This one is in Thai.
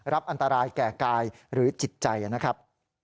รับอันตรายแก่กายหรือจิตใจนะครับ